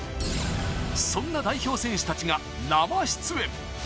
そんな代表選手たちが生出演。